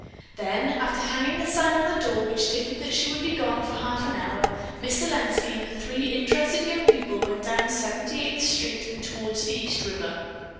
Then, after hanging a sign on the door which stated that she would be gone for half an hour, Miss Selenski and the three interested young people went down Seventy eighth Street and toward the East River.